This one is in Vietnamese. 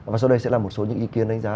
và sau đây sẽ là một số những ý kiến đánh giá